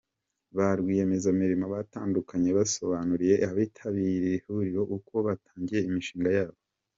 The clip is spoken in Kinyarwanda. Ba Rwiyemezamirimo batandukanye basobanuriye abitabiriye iri huriro uko batangiye imishinga yabo.